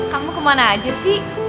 kamu kemana aja sih